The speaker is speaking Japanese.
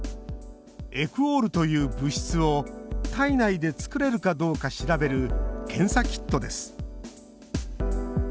エクオールという物質を体内で作れるかどうか調べる検査キットです